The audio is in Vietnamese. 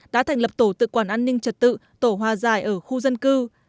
đã thành lập tổ tự quản an ninh trật tự tổ hòa giải ở khu dân cư